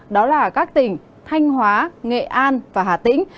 đó là các tỉnh thanh hóa nghệ an và hà tĩnh